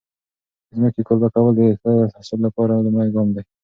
د ځمکې قلبه کول د ښه حاصل لپاره لومړی ګام دی.